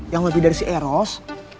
yang lebih dari si eros